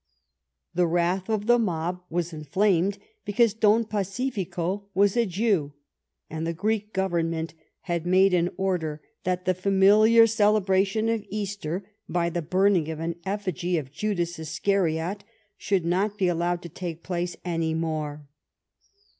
The wrath of the mob was inflamed because Don Pacifico was a Jew, and the Greek Government had made an order that the familiar celebration of Easter by the burning of an efligy of Judas Iscariot should not be allowed to take place any more.